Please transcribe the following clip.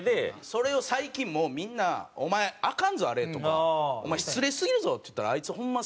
それを最近もうみんな「お前アカンぞあれ」とか「お前失礼すぎるぞ」って言ったらあいつホンマ